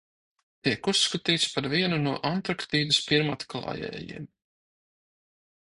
Tiek uzskatīts par vienu no Antarktīdas pirmatklājējiem.